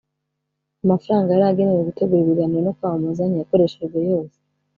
Amafaranga yari agenewe gutegura ibiganiro no kwamamaza ntiyakoreshejwe yose